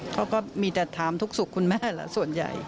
เขาก็มีแต่ถามทุกสุขคุณแม่ละส่วนใหญ่